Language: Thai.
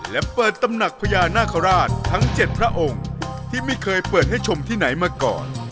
และเปิดตำหนักพญานาคาราชทั้ง๗พระองค์ที่ไม่เคยเปิดให้ชมที่ไหนมาก่อน